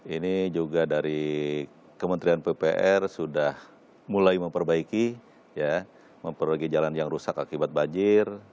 ini juga dari kementerian ppr sudah mulai memperbaiki memperbaiki jalan yang rusak akibat banjir